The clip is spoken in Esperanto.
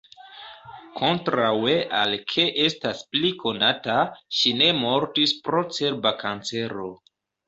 Kontraŭe al ke estas pli konata, ŝi ne mortis pro cerba kancero.